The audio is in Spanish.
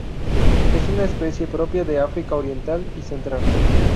Es una especie propia de África Oriental y Central.